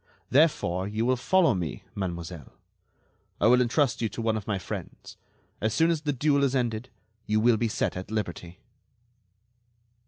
Therefore, you will follow me, mademoiselle; I will entrust you to one of my friends. As soon as the duel is ended, you will be set at liberty."